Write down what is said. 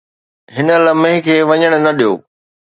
هن لمحي کي وڃڻ نه ڏيو